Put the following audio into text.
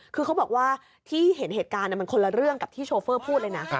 คือเขาบอกว่าที่เห็นเหตุการณ์มันคนละเรื่องกับที่โชเฟอร์พูดเลยนะ